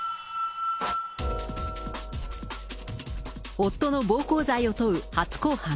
夫の暴行罪を問う初公判。